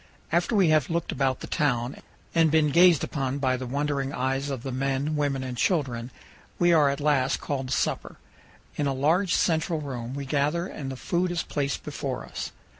After we have looked about the town and been gazed upon by the wondering eyes of the men, women, and children, we are at last called to supper. In a large central room we gather and the food is placed before us.